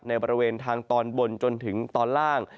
บริเวณทางตอนบนจนถึงตอนล่าง